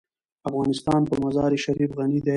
افغانستان په مزارشریف غني دی.